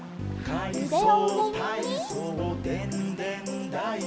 「かいそうたいそうでんでんだいこ」